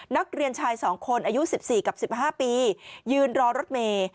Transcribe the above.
นักเรียนชายสองคนอายุสิบสี่กับละเอียด๕๕ปี